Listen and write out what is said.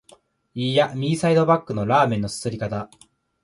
いーや、右サイドバックのラーメンの啜り方！